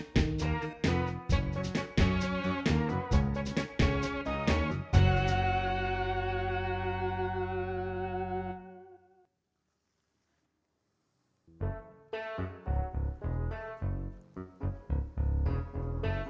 bukan mukanya tapi cara ngomongnya